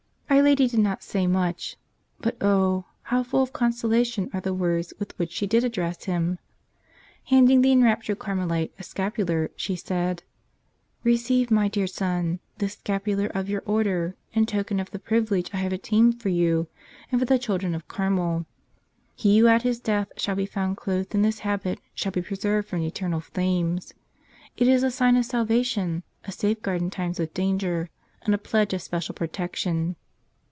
Our Lady did not say much. But oh ! how full of consolation are the words with which she did address him. Handing the enraptured Carmelite a scapular, she said : "Receive, my dear son, this scapular of your Order, in token of the privilege I have obtained for you and for the children of Carmel. He who at his death shall be found clothed in this habit shall be preserved from eternal flames. It is a sign of salva¬ tion, a safeguard in time of danger, and a pledge of special protection."